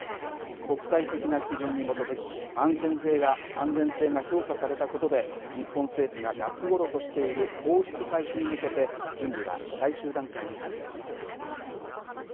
国際的な基準に基づき、安全性が評価されたことで、日本政府が夏ごろとしている放出開始に向けて準備は最終段階に入ります。